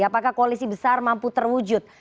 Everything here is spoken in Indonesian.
apakah koalisi besar mampu terwujud